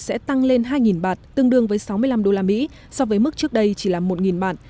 sẽ tăng lên hai bạt tương đương với sáu mươi năm đô la mỹ so với mức trước đây chỉ là một bạt